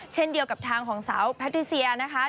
เช่นเดียวกับทางของสาวแพทริเซียนะคะ